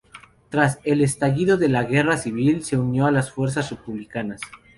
Tras el estallido de la Guerra civil se unió a las fuerzas republicanas.